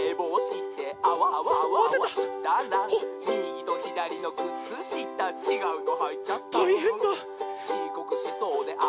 「みぎとひだりのくつしたちがうのはいちゃった」「ちこくしそうであわてて」